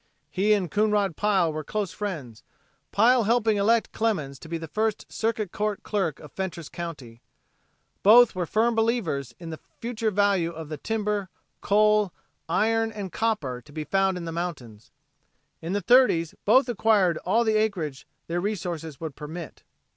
He and Coonrod Pile were close friends, Pile helping elect Clemens to be the first Circuit Court Clerk of Fentress county. Both were firm believers in the future value of the timber, coal, iron and copper to be found in the mountains. In the 30's both acquired all the acreage their resources would permit.